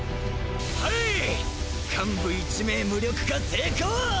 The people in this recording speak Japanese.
ハイ幹部１名無力化成功！